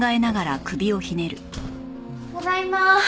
ただいま。